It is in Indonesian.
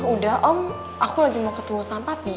udah om aku lagi mau ketemu sama papi